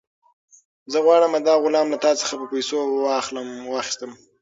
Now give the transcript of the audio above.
زه غواړم دا غلام له تا څخه په پیسو واخیستم.